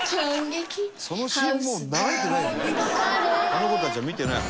「あの子たちは見てない」